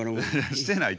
してないて。